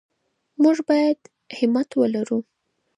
موږ باید همت ولرو.